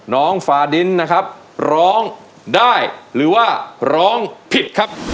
ฟาดินนะครับร้องได้หรือว่าร้องผิดครับ